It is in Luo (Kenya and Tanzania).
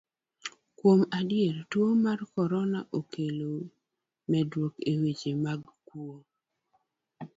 Kuom adier, tuo mar korona okelo medruok e weche mag kuo.